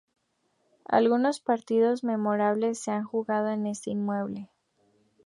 Algunos partidos memorables se han jugado en este inmueble.